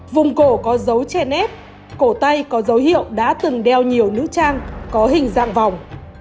vùng cổ có dấu che nét cổ tay có dấu hiệu đã từng đeo nhiều nước trang có hình dạng vòng